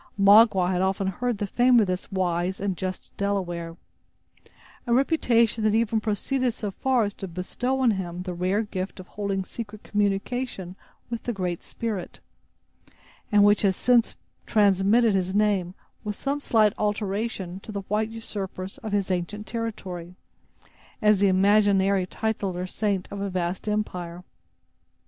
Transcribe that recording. Magua had often heard the fame of this wise and just Delaware; a reputation that even proceeded so far as to bestow on him the rare gift of holding secret communion with the Great Spirit, and which has since transmitted his name, with some slight alteration, to the white usurpers of his ancient territory, as the imaginary tutelar saint of a vast empire.